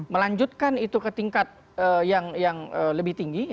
melanjutkan itu ke tingkat yang lebih tinggi